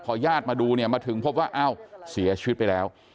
พอญาติมาดูมาถึงพบว่าเสียชีวิตไปแล้ว